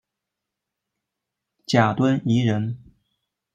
贾敦颐人。